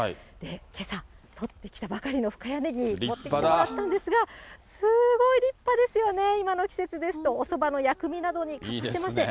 けさ、取ってきたばかりの深谷ねぎ持ってきていただいたんですが、すごい立派ですよね、今の季節ですとおそばの薬味などに欠かせません。